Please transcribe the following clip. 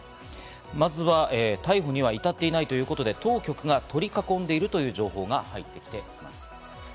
まずは逮捕には至っていないということで、当局が取り囲んでいるという情報が入ってきています。